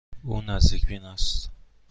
او نزدیک بین است.